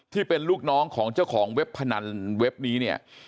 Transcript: ที่เป็นลูกน้องของเจ้าของเว็บพนันเว็บนี้เนี่ย